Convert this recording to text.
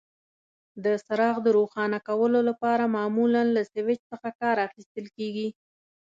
د څراغ د روښانه کولو لپاره معمولا له سویچ څخه کار اخیستل کېږي.